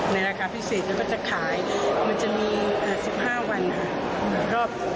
ราคาพิเศษแล้วก็จะขายมันจะมี๑๕วันค่ะ